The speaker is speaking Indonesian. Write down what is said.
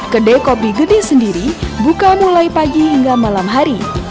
kedai kopi gede sendiri buka mulai pagi hingga malam hari